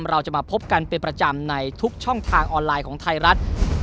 เราจะมาพบกันเป็นประจำในทุกช่องทางออนไลน์ของไทยรัฐ